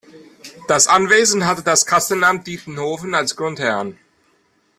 Das Anwesen hatte das Kastenamt Dietenhofen als Grundherrn.